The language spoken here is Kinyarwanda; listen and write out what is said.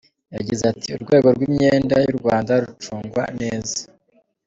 Yagize ati “Urwego rw’imyenda y’u Rwanda rucungwa neza.